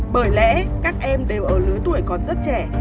bởi lẽ các em đều ở lứa tuổi còn rất trẻ